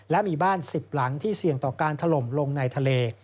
และมีบ้าน๑๐หลังที่เสี่ยงต่อการถล่มลงในทะเล